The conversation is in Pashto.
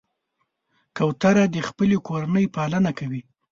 کوتره د خپلې کورنۍ پالنه کوي.